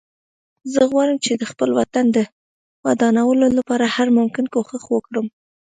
زه غواړم چې د خپل وطن د ودانولو لپاره هر ممکن کوښښ وکړم